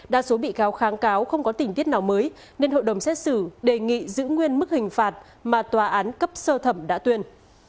đa số bị cáo kháng cáo không có tình tiết nào mới nên hội đồng xét xử đề nghị giữ nguyên mức hình phạt mà tòa án cấp sơ thẩm đã tuyên